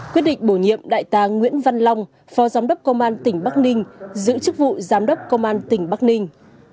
quyết định bổ nhiệm đại tá nguyễn văn long phó giám đốc công an tỉnh bắc ninh giữ chức vụ giám đốc công an tỉnh bắc ninh